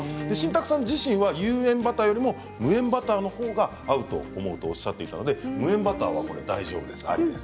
新宅さん自身は有塩バターよりも無塩バターのほうが合うと思うとおっしゃっていたので無塩バターは大丈夫です